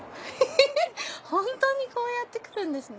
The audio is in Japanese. ホントにこうやって来るんですね。